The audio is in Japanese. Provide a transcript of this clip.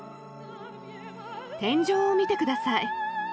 天井を見てください。